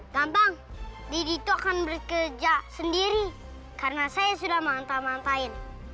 gampang lidi itu akan bekerja sendiri karena saya sudah mantap mantapin